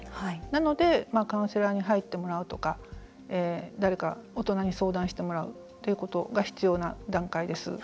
なのでカウンセラーに入ってもらうとか誰か、大人に相談してもらうということが必要な段階です。